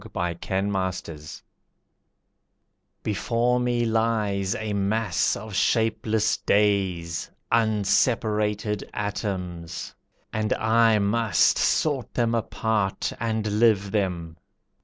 A Blockhead Before me lies a mass of shapeless days, Unseparated atoms, and I must Sort them apart and live them.